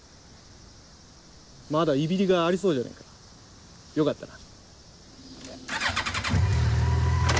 まだいびりがいありそうじゃねえか。よかったな。